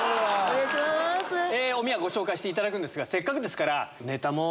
おみやご紹介していただくんですがせっかくですからネタも。